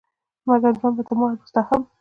مګر ژوند به تر ما وروسته هم